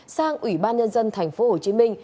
sang ủy ban nhân dân tp hcm